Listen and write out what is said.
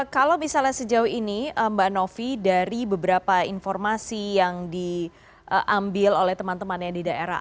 kalau misalnya sejauh ini mbak novi dari beberapa informasi yang diambil oleh teman teman yang di daerah